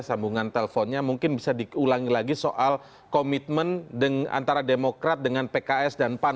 sambungan teleponnya mungkin bisa diulangi lagi soal komitmen antara demokrat dengan pks dan pan